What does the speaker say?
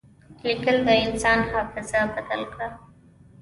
لیکل د انسان حافظه بدل کړه.